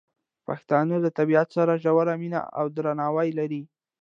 پښتانه له طبیعت سره ژوره مینه او درناوی لري.